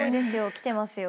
きてますよ。